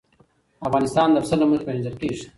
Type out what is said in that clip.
افغانستان د پسه له مخې پېژندل کېږي.